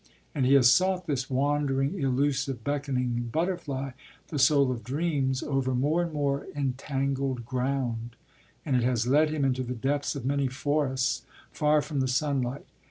And he has sought this wandering, illusive, beckoning butterfly, the soul of dreams, over more and more entangled ground; and it has led him into the depths of many forests, far from the sunlight.